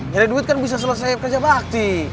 nyari duit kan bisa selesai kerja bakti